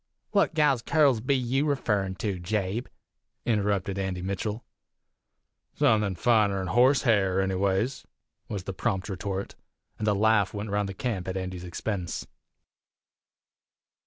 "What gal's currls be you referrin' to Jabe?" interrupted Andy Mitchell. "Suthin' finer 'n horse hair, anyways!" was the prompt retort; and a laugh went round the camp at Andy's expense.